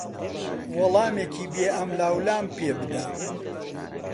وەڵامێکی بێ ئەملاوئەولام پێ بدە.